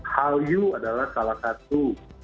hal you adalah salah satu